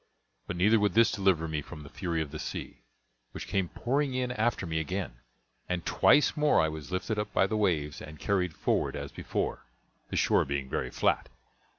But neither would this deliver me from the fury of the sea, which came pouring in after me again; and twice more I was lifted up by the waves and carried forward as before, the shore being very flat.